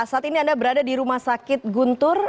saat ini anda berada di rumah sakit guntur